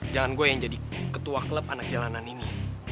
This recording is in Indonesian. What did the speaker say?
jangan gue yang jadi ketua klub anak jalanan ini